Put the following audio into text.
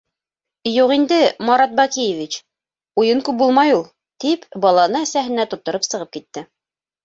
— Юҡ инде, Марат Баҡиевич, уйын күп булмай ул, — тип, баланы әсәһенә тоттороп сығып китте.